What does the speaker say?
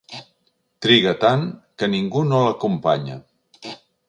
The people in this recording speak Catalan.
Triga tant que ningú no l'acompanya.